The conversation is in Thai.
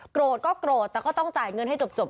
ก็โกรธแต่ก็ต้องจ่ายเงินให้จบ